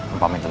ampamin dulu ya